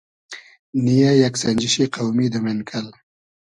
نییۂ یئگ سئنجیشی قۆمی دۂ مېنکئل